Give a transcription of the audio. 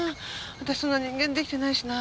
私そんな人間できてないしな。